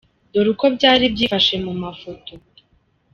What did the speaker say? Dore uko byari byifashe mu mafoto